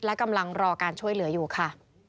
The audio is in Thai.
และกำลังรอการช่วยเหลืออยู่ค่ะ